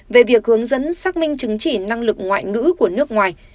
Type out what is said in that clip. về việc hướng dẫn xác minh chứng chỉ năng lực ngoại ngữ của nước ngoài